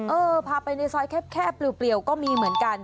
เออพาไปในซอยแคบเปลี่ยวก็มีเหมือนกัน